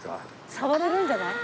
触れるんじゃない？